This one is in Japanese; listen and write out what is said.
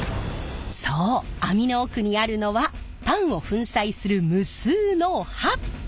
そう網の奥にあるのはパンを粉砕する無数の刃！